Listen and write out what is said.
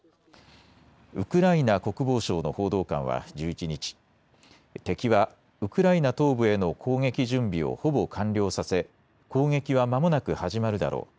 ウクライナ国防省の報道官は１１日、敵はウクライナ東部への攻撃準備をほぼ完了させ攻撃はまもなく始まるだろう。